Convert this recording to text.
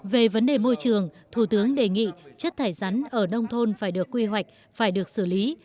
về vấn đề môi trường thủ tướng đề nghị chất thải rắn ở nông thôn phải được quy hoạch phải được xử lý